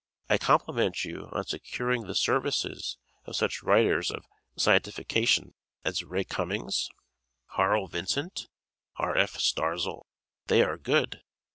I compliment you on securing the services of such writers of scientifiction as Ray Cummings, Harl Vincent, and R. F. Starzl. They are good!